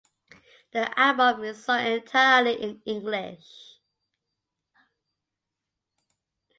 The album is sung entirely in English.